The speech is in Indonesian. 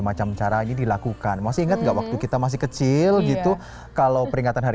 macam caranya dilakukan masih ingat gak waktu kita masih kecil gitu kalau peringatan hari